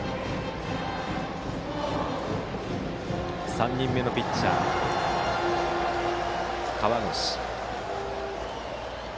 ３人目のピッチャー、河越。